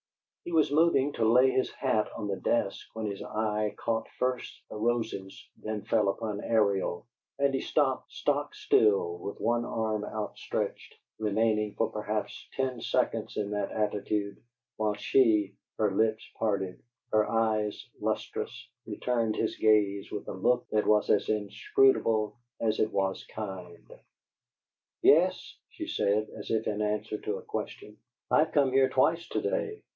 He was moving to lay his hat on the desk when his eye caught first the roses, then fell upon Ariel, and he stopped stock still with one arm outstretched, remaining for perhaps ten seconds in that attitude, while she, her lips parted, her eyes lustrous, returned his gaze with a look that was as inscrutable as it was kind. "Yes," she said, as if in answer to a question, "I have come here twice to day."